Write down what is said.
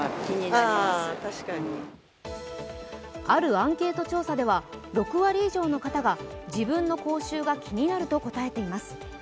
あるアンケート調査では６割以上の方が自分の口臭が気になると答えています。